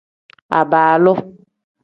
Abaalu.